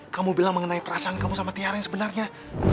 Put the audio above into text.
kamu bilang mengenai perasaan kamu sama tiara yang sebenarnya